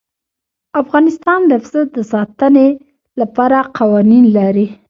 افغانستان د پسه د ساتنې لپاره قوانین لري.